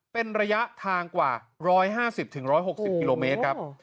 เป็นระยะทางกว่า๑๕๐๑๖๐กิโลเมตรครับ